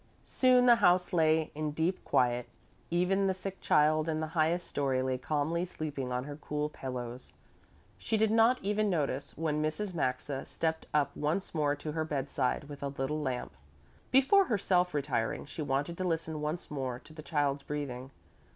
Soon the house lay in deep quiet: even the sick child in the highest story lay calmly sleeping on her cool pillows. She did not even notice when Mrs. Maxa stepped up once more to her bedside with a little lamp. Before herself retiring she wanted to listen once more to the child's breathing.